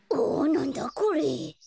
なんだこれ？